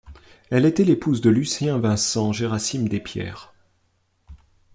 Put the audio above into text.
Elle était l’épouse de Lucien, Vincent, Gérasime Despierres.